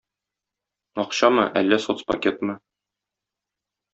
Акчамы, әллә соцпакетмы?